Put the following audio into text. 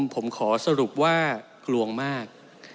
ผมขอสรุปว่ากลัวมาก